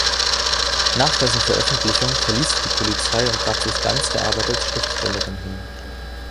Nach dessen Veröffentlichung verließ sie die Polizei und gab sich ganz der Arbeit als Schriftstellerin hin.